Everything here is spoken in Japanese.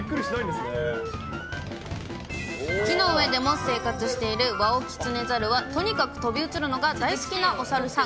木の上でも生活しているワオキツネザルはとにかく飛び移るのが大好きなお猿さん。